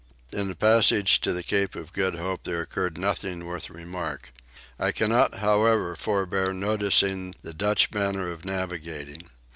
In the passage to the Cape of Good Hope there occurred nothing worth remark. I cannot however forbear noticing the Dutch manner of navigating.